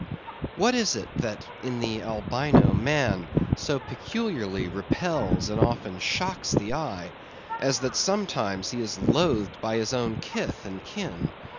What is it that in the Albino man so peculiarly repels and often shocks the eye, as that sometimes he is loathed by his own kith and kin!